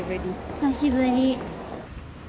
久しぶり。